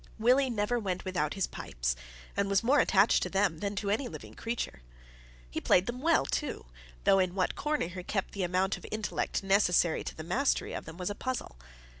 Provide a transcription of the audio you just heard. Willie never went without his pipes, and was more attached to them than to any living creature. He played them well, too, though in what corner he kept the amount of intellect necessary to the mastery of them was a puzzle.